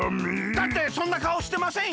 だってそんなかおしてませんよ。